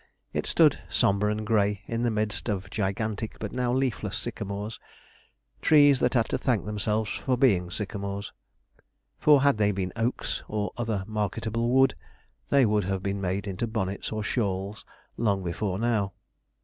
It stood, sombre and grey, in the midst of gigantic but now leafless sycamores trees that had to thank themselves for being sycamores; for, had they been oaks, or other marketable wood, they would have been made into bonnets or shawls long before now.